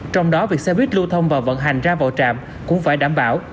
trong đó việc xe buýt lưu thông và vận hành ra vào trạm cũng phải đảm bảo